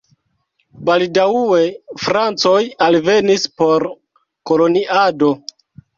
Baldaŭe francoj alvenis por koloniado.